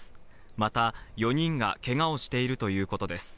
また４人がけがをしているということです。